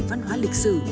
văn hóa lịch sử